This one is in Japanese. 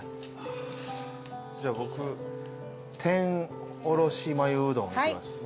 じゃあ僕天おろしまゆうどんいきます。